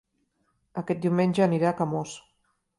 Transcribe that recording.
Aquest diumenge aniré a Camós